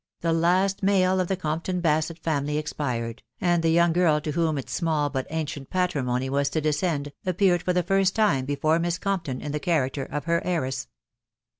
m the last male of the Compton Basett family expired, and the voung girl to whom its small but ancient patrimony was to descend, appeared for the first time before Miss Co»p tonkin die character of her heiress.